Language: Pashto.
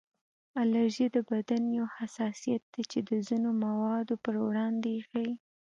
الرژي د بدن یو حساسیت دی چې د ځینو موادو پر وړاندې یې ښیي